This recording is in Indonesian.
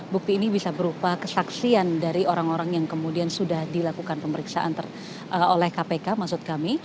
bukti ini bisa berupa kesaksian dari orang orang yang kemudian sudah dilakukan pemeriksaan oleh kpk maksud kami